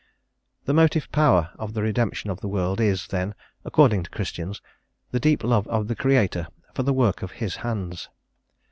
The motive power of the redemption of the world is, then, according to Christians, the deep love of the Creator for the work of His hands.